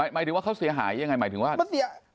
หมายถึงว่าเขาเสียหายยังไง